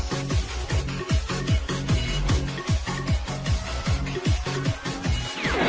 โปรดติดตามต่อไป